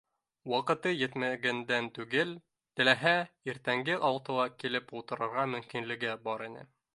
Ваҡыты етмәгәндән түгел, теләһә, иртәнге алтыла килеп ултырырға мөмкинлеге бар ине